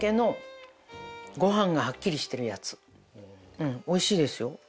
うんおいしいですよ。